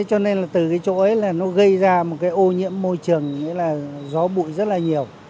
cho nên là từ cái chỗ ấy là nó gây ra một cái ô nhiễm môi trường nghĩa là gió bụi rất là nhiều